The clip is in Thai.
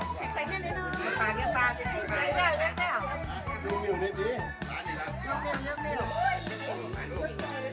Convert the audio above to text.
ยกตีนขึ้นสองข้างสองข้าง